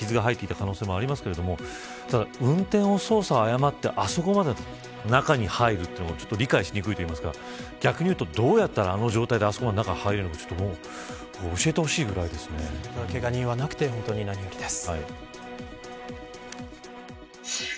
もしかしたらもともと傷が入っていた可能性もありますけどただ運転の操作を誤ってあそこまで中に入るというのは理解しにくいといいますか逆に言うと、どうやったらあの状態、中に入るのかけが人がいなくて本当に何よりです。